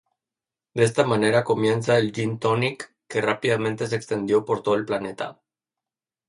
De esta manera comienza el gin-tonic, que rápidamente se extendió por todo el planeta.